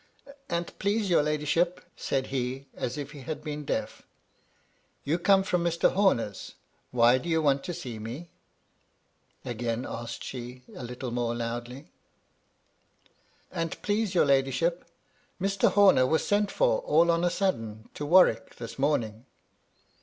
" An't please your ladyship ?" said he, as if he had been deaf. " You come from Mr. Homer's : why do you want to see me ?" again asked she, a little more loudly. 88 MY LADY LUDLOW. "An't please your ladyship, Mr. Homer was sent for all on a sudden to Warwick this morning.